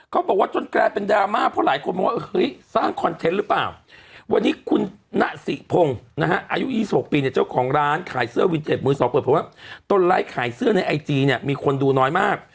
เขาบอกว่าจนกระเป็นดราม่าเพราะหลายคนบอกว่าเฮ้ยสร้างคออนเท็นน์หรือเปล่า